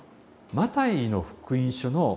「マタイの福音書」